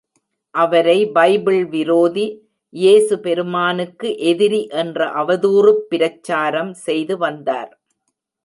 அவரை பைபிள் விரோதி, இயேசு பெருமானுக்கு எதிரி என்ற அவதூறுப் பிரச்சாரம் செய்து வந்தார்.